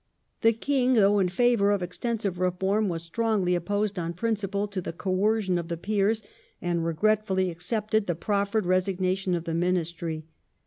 The King, though in favour of extensive reform, was strongly opposed on principle to the coercion of the Peers, and regi'etfully accepted the proffered resignation of the Ministry.